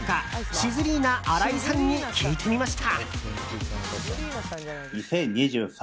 シズリーナ荒井さんに聞いてみました！